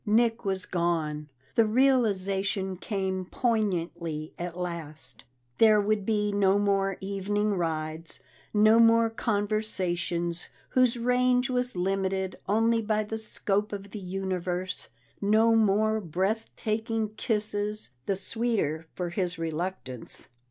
Nick was gone! The realization came poignantly at last; there would be no more evening rides, no more conversations whose range was limited only by the scope of the universe, no more breath taking kisses, the sweeter for his reluctance.